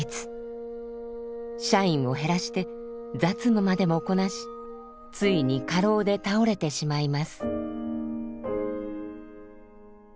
社員を減らして雑務までもこなしついに過労で倒れてしまいます。